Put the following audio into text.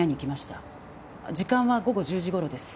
時間は午後１０時頃です。